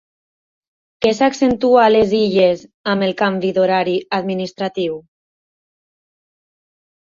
Què s'accentua a les Illes amb el canvi d'horari administratiu?